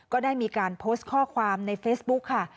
ก็ได้มีการโพสต์ข้อความในเฟซบุ๊คค่ะ